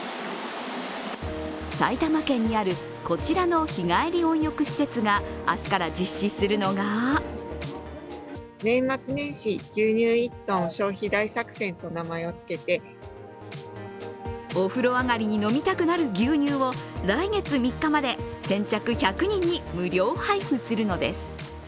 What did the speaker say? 埼玉県にある、こちらの日帰り温浴施設が明日から実施するのがお風呂上がりに飲みたくなる牛乳を来月３日まで先着１００人に無料配布するのです。